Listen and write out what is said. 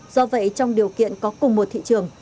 do vậy trong điều kiện có cùng một thị trường